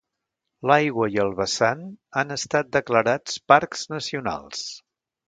L'aigua i el vessant han estat declarats parcs nacionals.